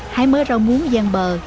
hái mớ rau muống gian bờ